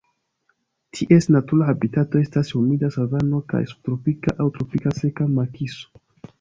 Ties natura habitato estas humida savano kaj subtropika aŭ tropika seka makiso.